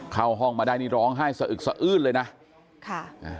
เข้าห้องมาได้นี่ร้องไห้สะอึกสะอื้นเลยนะค่ะอ่า